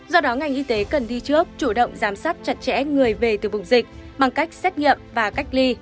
do đó ngành y tế cần đi trước chủ động giám sát chặt chẽ người về từ vùng dịch bằng cách xét nghiệm và cách ly